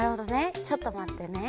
ちょっとまってね。